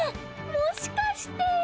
もしかして！